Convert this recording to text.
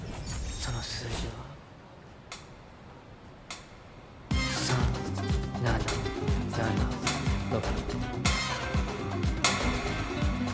その数字は３７７６。